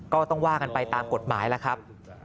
ก็ต้องว่ากันไปตามกฎหมายแล้วครับ